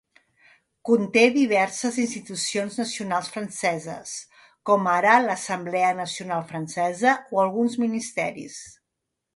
Conté diverses institucions nacionals franceses, com ara l'Assemblea Nacional Francesa o alguns ministeris.